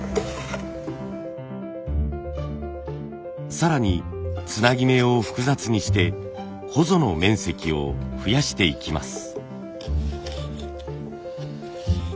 更につなぎ目を複雑にしてほぞの面積を増やしていきます。